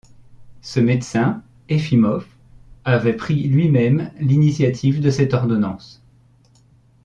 Ce médecin, Efimov, avait pris lui-même l'initiative de cette ordonnance..